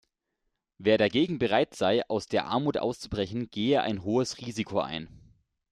Wer dagegen bereit sei, aus der Armut auszubrechen, gehe ein hohes Risiko ein.